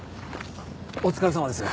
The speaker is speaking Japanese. お疲れさまです。